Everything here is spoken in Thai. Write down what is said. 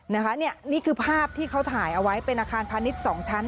นี่คือภาพที่เขาถ่ายเอาไว้เป็นอาคารพาณิชย์๒ชั้น